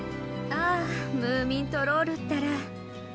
ああムーミントロールったら。